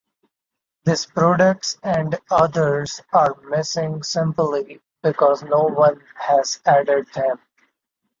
These products and others are missing simply because no one has added them.